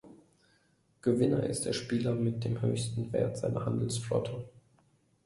Gewinner ist der Spieler mit dem höchsten Wert seiner Handelsflotte.